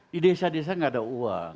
di desa desa nggak ada uang